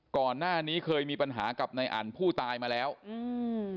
ก่อนหน้านี้เคยมีปัญหากับนายอันผู้ตายมาแล้วอืม